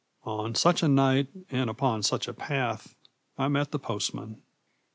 On such a night, and upon such a path, I met the postman.